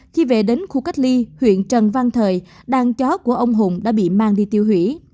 khi về đến khu cách ly huyện trần văn thời đàn chó của ông hùng đã bị mang đi tiêu hủy